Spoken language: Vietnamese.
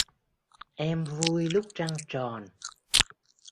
Em vui lúc trăng tròn